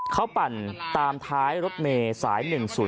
เขาปั่นตามท้ายรถเมย์สาย๑๐๔